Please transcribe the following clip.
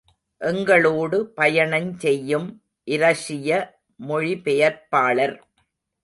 எங்களோடு பயணஞ் செய்யும் இரஷிய மொழிபெயர்ப்பாளர்.